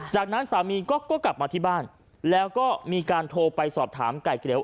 จากนั้นสามีก็กลับมาที่บ้านแล้วก็มีการโทรไปสอบถามไก่เกลียว